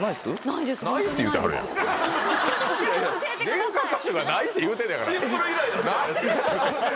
演歌歌手が「ない」って言うてんねやから。